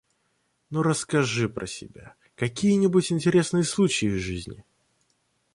Ну, расскажи про себя. Какие-нибудь интересные случаи из жизни!